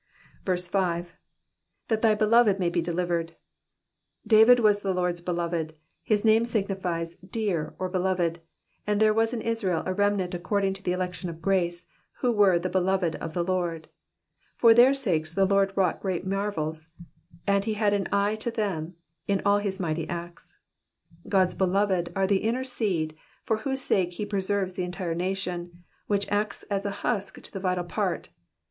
5. ''''That thy beloved may be delivered.'^ "^ David was the Lord's beloved, his name signifies dear, or beloved," and there was in Israel a remnant according to the election of grace, who were the beloved of the Lord ; for their sakes the Lord wrought great marvels, and he had an eye to them in all his mighty acts. God's beloved are the inner seed, for whose sake he preserves the entire nation, which acts as a husk to the vital part.